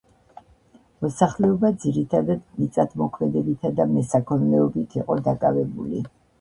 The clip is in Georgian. მოსახლეობა ძირითადად მიწათმოქმედებითა და მესაქონლეობით იყო დაკავებული